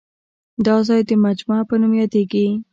دا ځای د مجمع په نوم یادېږي.